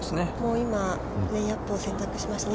◆今、レイアップを選択しましたね。